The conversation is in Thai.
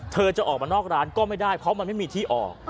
เธอจะออกมานอกร้านก็ไม่ได้เพราะมันไม่มีที่ออก